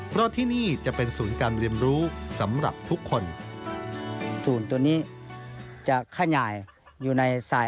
เพราะที่นี่จะเป็นศูนย์การเรียนรู้สำหรับทุกคน